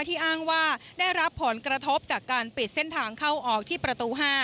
ที่อ้างว่าได้รับผลกระทบจากการปิดเส้นทางเข้าออกที่ประตู๕